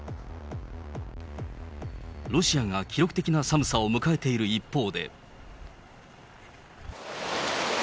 ロシアが記録的な寒さを迎えている一方で。